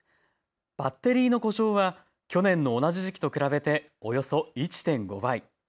バッテリーの故障は去年の同じ時期と比べておよそ１．５倍。